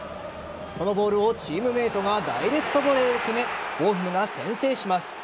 このボールを、チームメートがダイレクトボレーで決めボーフムが先制します。